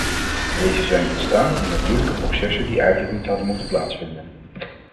Deze zijn ontstaan in natuurlijke processen die eigenlijk niet hadden moeten plaatsvinden.